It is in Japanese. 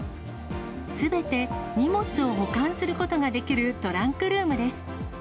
すべて荷物を保管することができるトランクルームです。